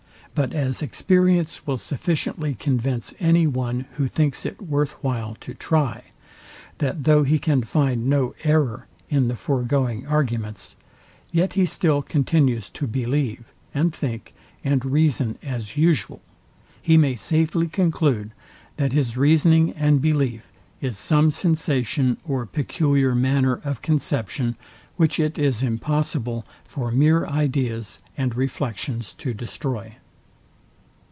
But as experience will sufficiently convince any one, who thinks it worth while to try, that though he can find no error in the foregoing arguments, yet he still continues to believe, and think, and reason as usual, he may safely conclude, that his reasoning and belief is some sensation or peculiar manner of conception, which it is impossible for mere ideas and reflections to destroy.